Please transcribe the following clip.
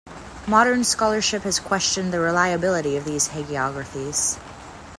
Modern scholarship has questioned the reliability of these hagiographies.